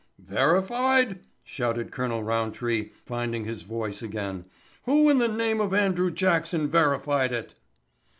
"Verified?" shouted Colonel Roundtree, finding his voice again. "Who in the name of Andrew Jackson verified it?"